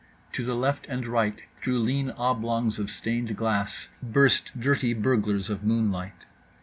To the left and right through lean oblongs of stained glass burst dirty burglars of moonlight.